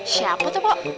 siapa tuh pok